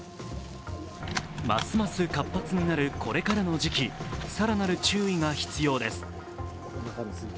ますます活発になるこれからの時期、更なる注意が必要です。